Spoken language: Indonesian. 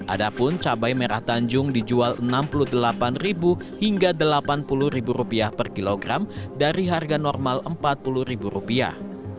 ada pun cabai merah tanjung dijual enam puluh delapan hingga delapan puluh rupiah per kilogram dari harga normal empat puluh rupiah